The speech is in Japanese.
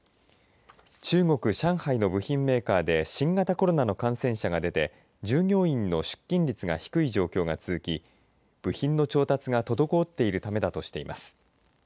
中国、上海の部品メーカーで新型コロナの感染者が出て従業員の出勤率が低い状態が続き部品の調達が滞っているためだとしています。